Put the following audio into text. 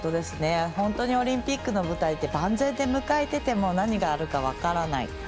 本当にオリンピックの舞台って万全で迎えていても何があるか分からない。